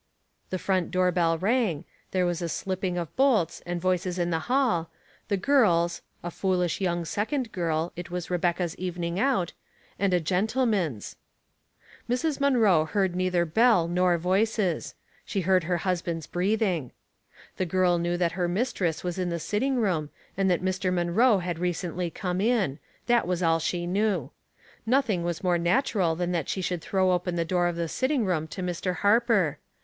The front door bell rang, there was a slipping of bolts, and voices in the hall, the girl's (a foolish young sec ond girl, it was Rebecca's evening out) and a gen tleman's. Mrs. Munroe heard neither bell nor voices ; she heard her husband's breathing. The girl knew that her mistress was in the sitting room, and that Mr. Munroe had recently come in — that was all she knew. NothiuGT was more nat* ural than that she should throw open the door of the sitting room to Mr. Harper.